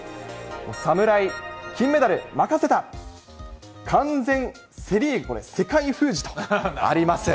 侍、金メダル任せた、完全セ・リーグ、これ、セ界封じとあります。